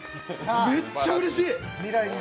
めっちゃうれしい！